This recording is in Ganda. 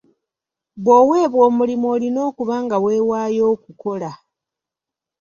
Bw'owebwa omulimu olina okuba nga wewaayo okukola.